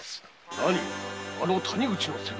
何あの谷口の伜が？